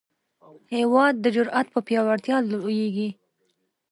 هېواد د جرئت په پیاوړتیا لویېږي.